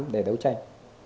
để đấu tranh